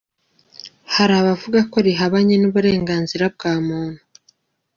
Hari abavugaga ko rihabanye n’uburenganzira bwa muntu